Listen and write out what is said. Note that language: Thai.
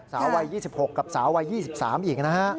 สาววัย๒๖กับสาววัย๒๓อีกนะฮะ